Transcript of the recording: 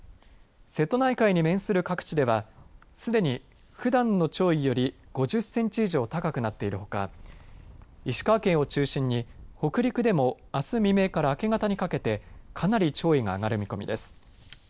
瀬戸内海に面する各地ではすでに、ふだんの潮位より５０センチ以上高くなっているほか石川県を中心に北陸でもあす未明から明け方にかけてかなり潮位が上がる見込みです。